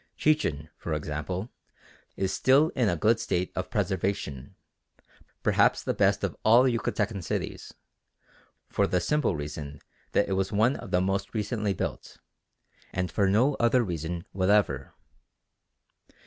Chichen, for instance, is still in a good state of preservation, perhaps the best of all Yucatecan cities, for the simple reason that it was one of the most recently built, and for no other reason whatever.